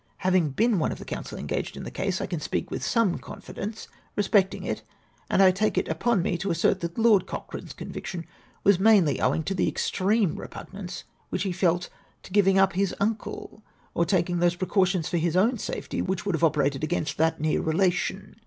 Having been one of the counsel engaged in the cause I can speak with some confidence re specting it, and I take upon me to assert that Lord Cochrane's conviction was mainly owing to the extreme repugnance which he felt to giving up his uncle, or taking those pre cautions for his own safety which would have operated against that near relation.